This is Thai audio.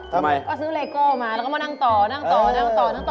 ทำไมก็ซื้อเลโก้มาเราก็มานั่งต่อนั่งต่อนั่งต่อ